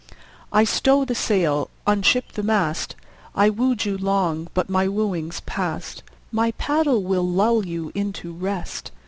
I stow the sail, unship the mast: I wooed you long but my wooing's past; My paddle will lull you into rest.